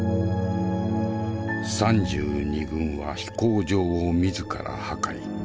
３２軍は飛行場を自ら破壊。